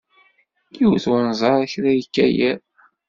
Iwet unẓar kra yekka yiḍ.